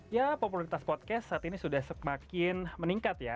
ya popularitas podcast saat ini sudah semakin meningkat ya